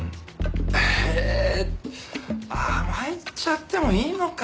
ええ甘えちゃってもいいのかな？